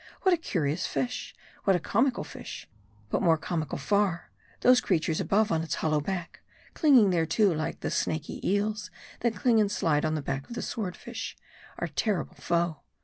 What a curious fish ! what a com ical fish ! But more comical far, those creatures above, 011 its hollow back, clinging thereto like the snaky eels, that cling and slide on the back of the Sword fish, our terrible foe.